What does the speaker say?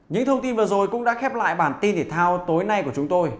những thông tin vừa rồi cũng đã khép lại bản tin thể thao tối nay của chúng tôi